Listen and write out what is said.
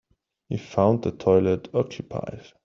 He found the toilet occupied.